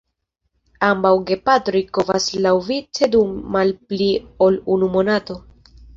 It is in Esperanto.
Ambaŭ gepatroj kovas laŭvice dum malpli ol unu monato.